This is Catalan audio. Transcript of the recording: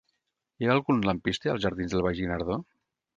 Hi ha algun lampista als jardins del Baix Guinardó?